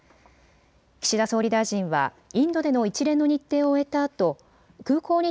岸田総理大臣はインドでの一連の日程を終えたあと、空港に